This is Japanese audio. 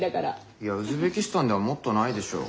いやウズベキスタンではもっとないでしょう。